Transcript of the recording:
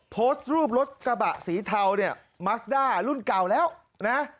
โพสต์รูปรถกระบะสีเทาเนี่ยมัสด้ารุ่นเก่าแล้วนะ